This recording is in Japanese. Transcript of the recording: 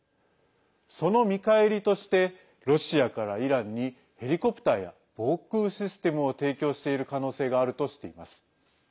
その見返りとしてロシアからイランにヘリコプターや防空システムを提供している可能性があるとしています。